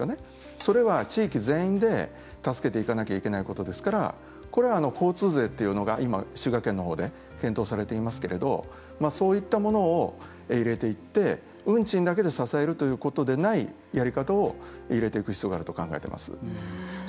それは地域全員で助けていかなきゃいけないことですからこれは、交通税というのが今、滋賀県のほうで検討されていますけれどもそういったものを入れていって運賃だけで支えるということでないやり方を入れていく必要があると考えています。